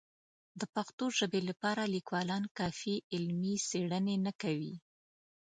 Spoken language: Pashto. د پښتو ژبې لپاره لیکوالان کافي علمي څېړنې نه کوي.